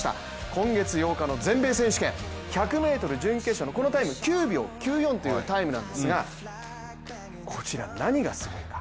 今月８日の全米選手権１００ｍ準決勝のこのタイム９秒９４というタイムなんですがこちら、何がすごいか。